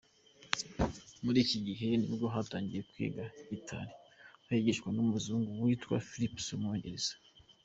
Muri iki gihe nibwo yatangiye kwiga Gitari ayigishwa n’umuzungu witwa Philips w’umwongereza.